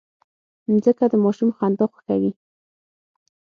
مځکه د ماشوم خندا خوښوي.